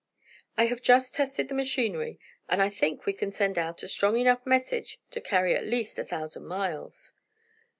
"I have just tested the machinery, and I think we can send out a strong enough message to carry at least a thousand miles."